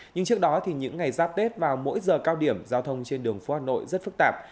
nhưng trước đó thì những ngày giáp tết vào mỗi giờ cao điểm giao thông trên đường phố hà nội rất phức tạp